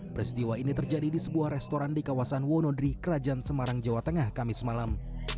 peristiwa ini terjadi di sebuah restoran di kawasan wonodri kerajaan semarang jawa tengah kamis malam